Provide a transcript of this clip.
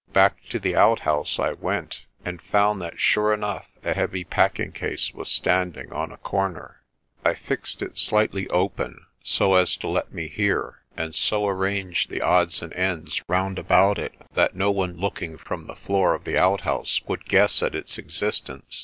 Back to the outhouse I went, and found that sure enough a heavy packing case was standing on a corner. I fixed it slightly open, so as to let me hear, and so arranged the odds and ends round about it that no one looking from the floor of the outhouse would guess at its existence.